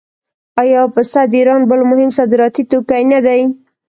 آیا پسته د ایران بل مهم صادراتي توکی نه دی؟